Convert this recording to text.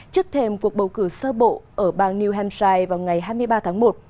trước thêm cuộc bầu cử sơ bộ ở bang new hanshine vào ngày hai mươi ba tháng một